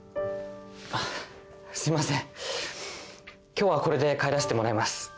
すみません今日はこれで帰らせてもらいます。